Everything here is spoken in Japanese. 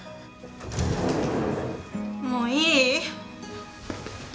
もういい？